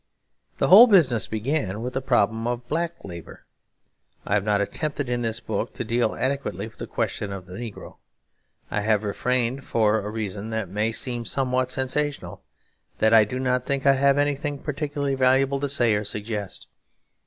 The whole business began with the problem of black labour. I have not attempted in this book to deal adequately with the question of the negro. I have refrained for a reason that may seem somewhat sensational; that I do not think I have anything particularly valuable to say or suggest.